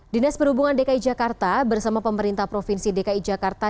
dinas perhubungan dki jakarta bersama pemerintah provinsi dki jakarta